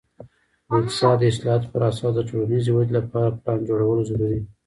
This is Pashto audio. د اقتصاد د اصلاحاتو پر اساس د ټولنیزې ودې لپاره پلان جوړول ضروري دي.